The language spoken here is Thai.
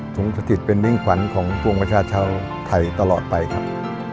ถุงสถิตเป็นมิ่งขวัญของปวงประชาชาวไทยตลอดไปครับ